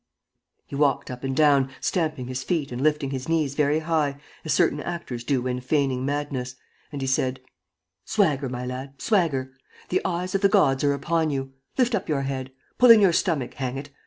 He walked up and down, stamping his feet and lifting his knees very high, as certain actors do when feigning madness. And he said: "Swagger, my lad, swagger! The eyes of the gods are upon you! Lift up your head! Pull in your stomach, hang it!